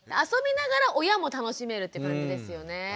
遊びながら親も楽しめるって感じですよね。